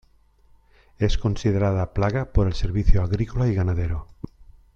Es considerada plaga por el Servicio Agrícola y Ganadero.